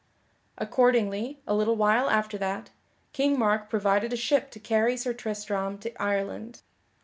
Accordingly, a little while after that, King Mark provided a ship to carry Sir Tristram to Ireland.